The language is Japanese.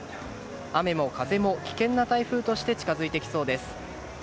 雨も風も危険な台風として近づいてきそうです。